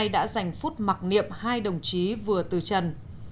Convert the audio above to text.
đã dành phút mặc niệm hai đồng chí vừa từ trần